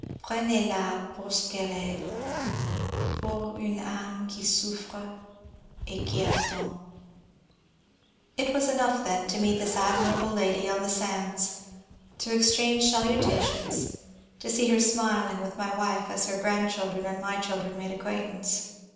Prenez la pour ce qu'elle est, pour une ame qui souffre et qui attend." It was enough, then, to meet this admirable lady on the sands, to exchange salutations, to see her smiling with my wife as her grandchildren and my children made acquaint ance.